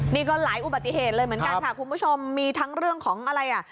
นี่ก็หลายอุบัติเหตุเลยเหมือนกันค่ะคุณผู้ชมมีทั้งเรื่องของอะไรอ่ะ